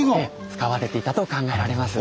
使われていたと考えられます。